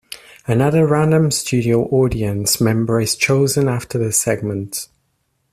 Another random studio audience member is chosen after the segment.